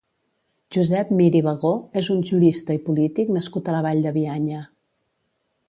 Josep Mir i Bagó és un jurista i polític nascut a la Vall de Bianya.